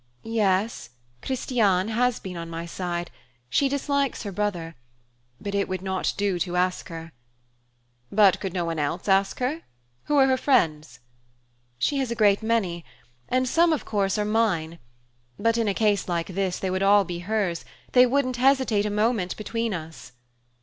"Yes, Christiane has been on my side. She dislikes her brother. But it would not do to ask her." "But could no one else ask her? Who are her friends?" "She has a great many; and some, of course, are mine. But in a case like this they would be all hers; they wouldn't hesitate a moment between us."